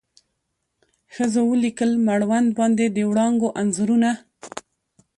ښځو ولیکل مړوند باندې د وړانګو انځورونه